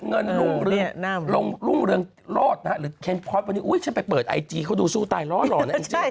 มีเงินลุงเรืองรอดหรือเคนพอร์ตวันนี้อุ๊ยฉันไปเปิดไอจีเขาดูสู้ตายรอดรอดนะไอจี